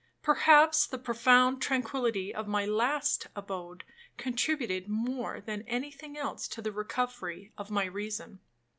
Perhaps the profound tranquillity of my last abode contributed more than any thing else to the recovery of my reason.